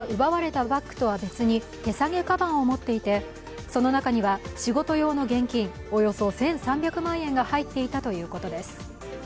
事件当時、男性は奪われたバッグとは別に手提げかばんを持っていてその中には仕事用の現金およそ１３００万円が入っていたということです。